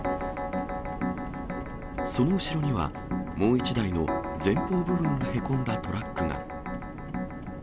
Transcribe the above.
その後ろには、もう１台の前方部分がへこんだトラックが。